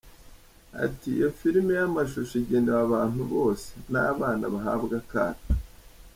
Ati "Iyo filime y’amashusho igenewe abantu bose, n’abana bahabwa akato.